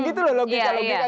gitu loh logikanya